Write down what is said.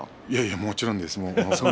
もちろんです。